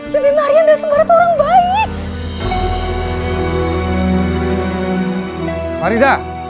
budi mariam dari sembaranya itu orang baik